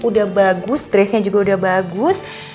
udah bagus stressnya juga udah bagus